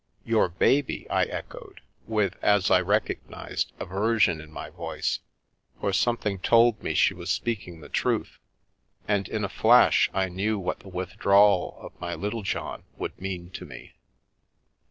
" Your baby !" I echoed, with, as I recognised, aver sion in my voice, for something told me she was speaking the truth, and in a flash, I knew what the withdrawal of my Little John would mean to me.